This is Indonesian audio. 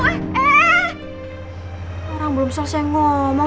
orang belum selesai ngomong